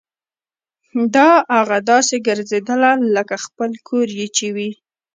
داه اغه داسې ګرځېدله لکه خپل کور چې يې وي.